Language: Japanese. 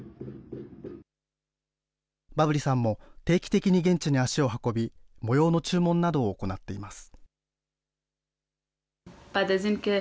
バブリさんも定期的に現地に足を運び、模様の注文などを行っています。